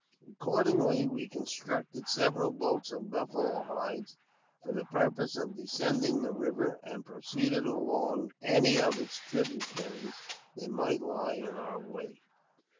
Accordingly, we constructed several boats of buffalo hides for the purpose of descending the river and proceeding along any of its tributaries that might lie in our way.